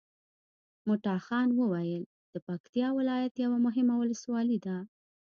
مټاخان ولسوالي د پکتیکا ولایت یوه مهمه ولسوالي ده